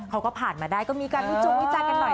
เขาก็ผ่านมาได้ก็มีการวิจงวิจารณ์กันหน่อย